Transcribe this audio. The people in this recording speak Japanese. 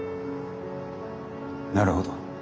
なるほど。